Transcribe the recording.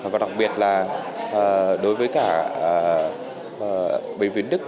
và đặc biệt là đối với cả bệnh viện đức